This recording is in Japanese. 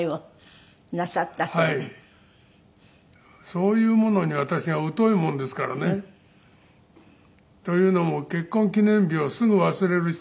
そういうものに私が疎いものですからね。というのも結婚記念日をすぐ忘れる人なんですよ。